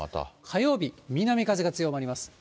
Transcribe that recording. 火曜日、南風が強まります。